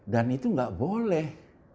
dan itu nggak boleh